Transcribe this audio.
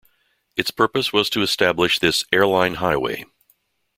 Its purpose was to establish this "Airline Highway".